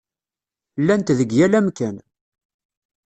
Llant deg yal amkan.